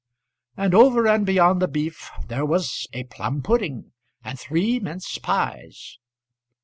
And over and beyond the beef there was a plum pudding and three mince pies.